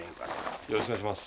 よろしくお願いします。